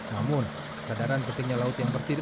namun kesadaran pentingnya laut yang bersih